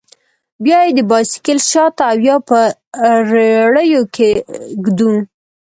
بيا يې د بايسېکل شاته او يا په رېړيو کښې ږدو.